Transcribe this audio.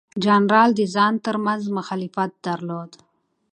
جنرالانو د ځان ترمنځ مخالفت درلود.